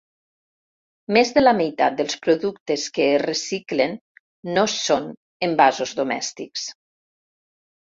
Més de la meitat dels productes que es reciclen no són envasos domèstics.